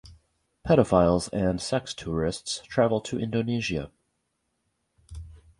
Pedophiles and sex tourists travel to Indonesia.